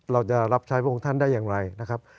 เราจะรับใช้พระองค์ท่านได้อย่างไรนะครับ